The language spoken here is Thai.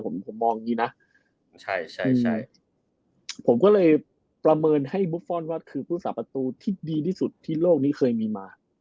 ผมมองอย่างนี้ผมประเมินให้มุฟฟ้อนด์ต้องเป็นผู้สาวประตูที่ดีที่ทุกคนเคยมีมา